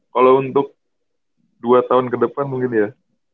kalo untuk dua tahun kedepan mungkin ya